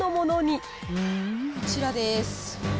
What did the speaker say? こちらです。